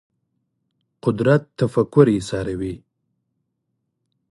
قدرت تفکر ایساروي